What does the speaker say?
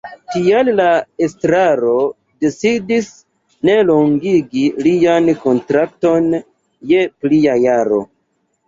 Tial la estraro decidis ne longigi lian kontrakton je plia jaro.